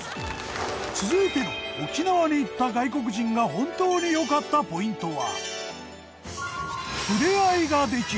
続いての沖縄に行った外国人が本当に良かったポイントは。